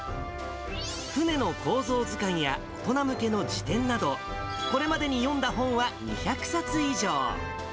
船の構造図鑑や大人向けの辞典など、これまでに読んだ本は２００冊以上。